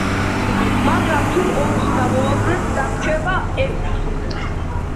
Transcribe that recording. მაგრამ, თუ ორს გამოვაკლებ, მაშინ დაგვრჩება ექვსი.